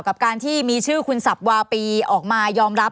กับการที่มีชื่อคุณสับวาปีออกมายอมรับ